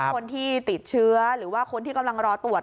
คนที่ติดเชื้อหรือว่าคนที่กำลังรอตรวจ